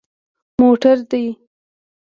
_موټر دي؟